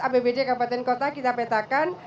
apbd kabupaten kota kita petakan